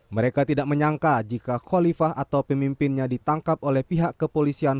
mereka tidak menyangka jika kholifah atau pemimpinnya ditangkap oleh pihak kepolisian